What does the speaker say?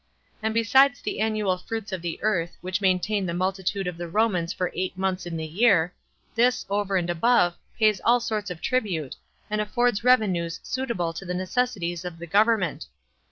And besides the annual fruits of the earth, which maintain the multitude of the Romans for eight months in the year, this, over and above, pays all sorts of tribute, and affords revenues suitable to the necessities of the government.